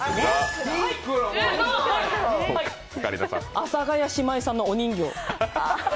阿佐ヶ谷姉妹さんのお人形。